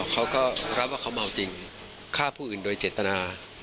เขาก็รับว่าเขาเมาจริงฆ่าผู้อื่นโดยเจตนา